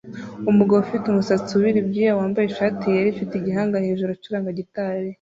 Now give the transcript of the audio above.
Umugabo ufite umusatsi ubira icyuya wambaye ishati yera ifite igihanga hejuru acuranga gitari